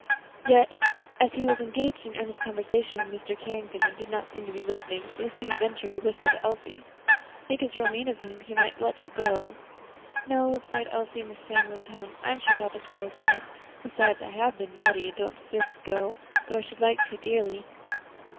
Yet, as he was engaged in earnest conversation with Mr. Carrington, and did not seem to be listening to them, Lucy ventured to whisper to Elsie, "I think it's real mean of him; he might let you go." "No," replied Elsie, in the same low tone, "I'm sure papa knows best; and besides, I have been naughty, and don't deserve to go, though I should like to, dearly."